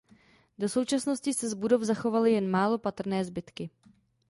Do současnosti se z budov zachovaly jen málo patrné zbytky.